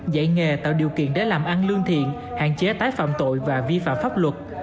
dạy nghề tạo điều kiện để làm ăn lương thiện hạn chế tái phạm tội và vi phạm pháp luật